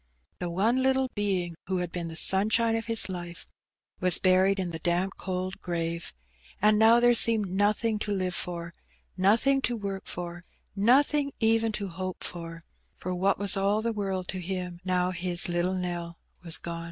The one little being who had been the sunshine t liis lite was buned in 1 1 Jamp told grave, and 1 there seemed nothing Ine foi, nothing to uuik for, nothing even to hope for; for what was all the world to him now his little Nell was gone?